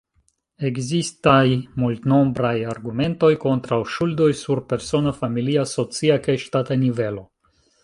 Ekzistaj multnombraj argumentoj kontraŭ ŝuldoj sur persona, familia, socia kaj ŝtata nivelo.